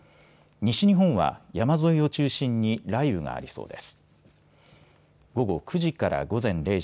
西日本は山沿いを中心に雷雨がありそうです。